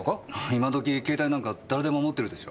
今どき携帯なんか誰でも持ってるでしょ。